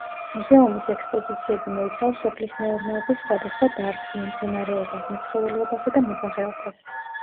მუზეუმის ექსპოზიციები მოიცავს სოფლის მეურნეობის სხვადასხვა დარგს: მემცენარეობას, მეცხოველეობასა და მებაღეობას.